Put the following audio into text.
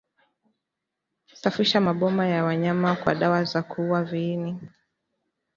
Safisha maboma ya wanyama kwa dawa za kuua viini